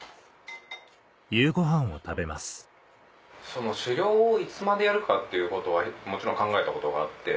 その狩猟をいつまでやるかっていうことはもちろん考えたことがあって。